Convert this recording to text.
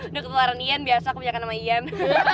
udah ketuaran iyan biasa aku bicarakan sama iyan